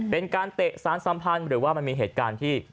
เป็นการเตะสารสัมพันธ์หรือว่ามันมีเหตุการณ์ที่